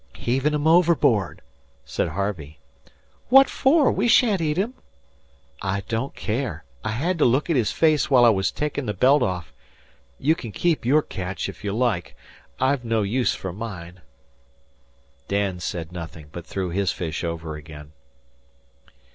"Heaving 'em overboard," said Harvey. "What for? We sha'n't eat 'em." "I don't care. I had to look at his face while I was takin' the belt off. You can keep your catch if you like. I've no use for mine." Dan said nothing, but threw his fish over again.